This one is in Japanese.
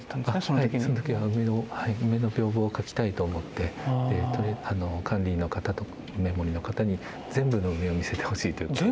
その時は梅の屏風を描きたいと思って管理人の方と梅守の方に全部の梅を見せてほしいということで。